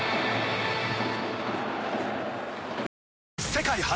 世界初！